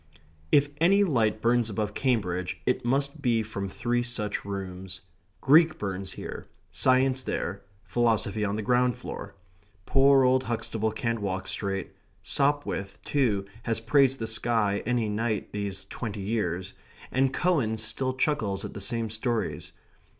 If any light burns above Cambridge, it must be from three such rooms; Greek burns here; science there; philosophy on the ground floor. Poor old Huxtable can't walk straight; Sopwith, too, has praised the sky any night these twenty years; and Cowan still chuckles at the same stories.